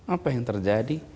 apa yang terjadi